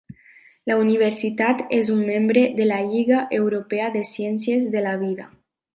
La universitat és un membre de la Lliga Europea de Ciències de la Vida.